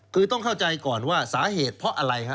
คือต้องเข้าใจก่อนว่าสาเหตุเพราะอะไรฮะ